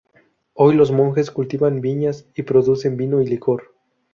Hoy los monjes cultivan viñas y producen vino y licor.